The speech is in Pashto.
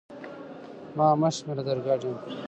ما مه شمېره در ګډ یم